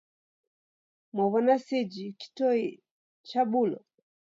Mwaw'ona sejhi kitoi chabulwa?